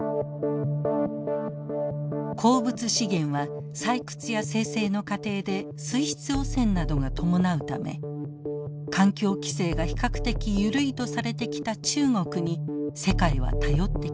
鉱物資源は採掘や精製の過程で水質汚染などが伴うため環境規制が比較的緩いとされてきた中国に世界は頼ってきました。